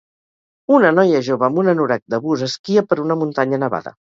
una noia jove amb un anorac de bus esquia per una muntanya nevada.